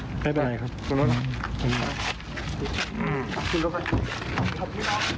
ไม่เป็นไรครับ